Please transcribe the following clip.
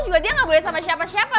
juga dia nggak boleh sama siapa siapa